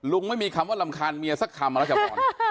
ลุงไม่มีคำว่ารำคัญเมียสักคำแล้วจะบอก